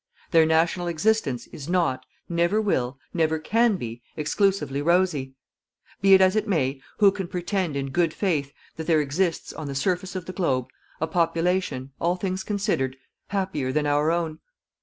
Their national existence is not, never will, never can be, exclusively rosy. Be it as it may, who can pretend, in good faith, that there exists, on the surface of the globe, a population, all things considered, happier than our own.